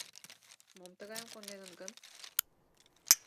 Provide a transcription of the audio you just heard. — Мом тыгайым кондет гын?